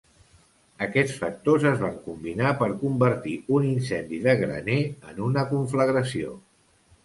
Aquests factors es van combinar per convertir un incendi de graner en una conflagració.